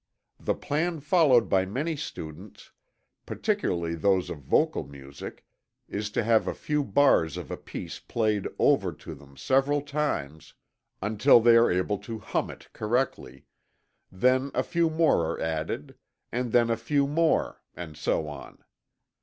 The plan followed by many students, particularly those of vocal music, is to have a few bars of a piece played over to them several times, until they are able to hum it correctly; then a few more are added; and then a few more and so on.